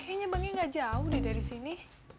kayaknya banknya gak jauh dari sini